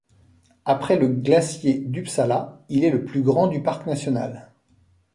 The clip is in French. Après le glacier d'Upsala, il est le plus grand du parc national.